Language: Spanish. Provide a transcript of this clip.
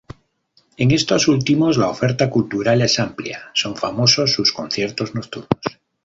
En estos últimos la oferta cultural es amplia, son famosos sus conciertos nocturnos.